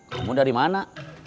kamu dari mana